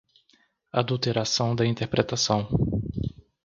Adulteração da interpretação